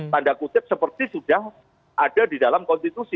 tanda kutip seperti sudah ada di dalam konstitusi